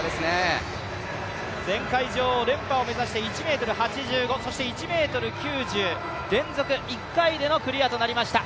前回女王、連覇を目指して１ｍ８５、そして１ｍ９０、連続１回でのクリアとなりました。